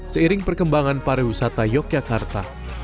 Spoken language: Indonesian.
seiring perkembangan pariwisata yogyakarta